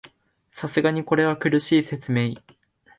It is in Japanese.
さすがにこれは苦しい説明